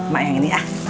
mak yang ini ah